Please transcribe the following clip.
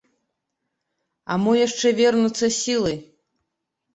А мо яшчэ вернуцца сілы?